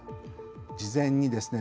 事前にですね